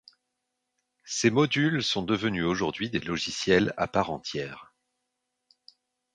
Ces modules sont devenus aujourd'hui des logiciels à part entière.